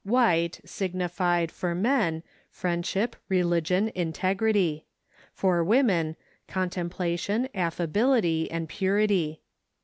White signified for men friendship, religion, integrity; for women, contemplation, affability, and purity.